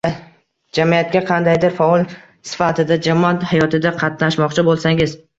Jamiyatga qandaydir faol sifatida jamoat hayotida qatnashmoqchi bo‘lsangiz